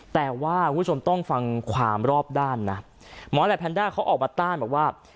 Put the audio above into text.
แต่ว่าคุณผู้ชมต้องฟังความรอบด้านนะหมอแหลปแนนด้าเขาออกมาต้านบอกว่า